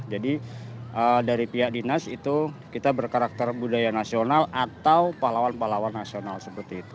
jadi dari pihak dinas itu kita berkarakter budaya nasional atau pahlawan pahlawan nasional seperti itu